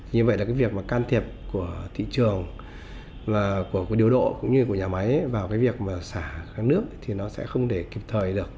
như vậy là cái việc mà can thiệp của thị trường của điều độ cũng như của nhà máy vào cái việc mà xả kháng nước thì nó sẽ không để kịp thời được